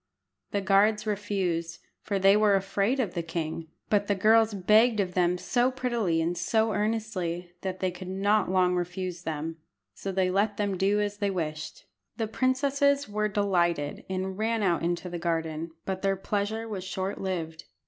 The guards refused, for they were afraid of the king, but the girls begged of them so prettily and so earnestly that they could not long refuse them, so they let them do as they wished. The princesses were delighted, and ran out into the garden, but their pleasure was short lived.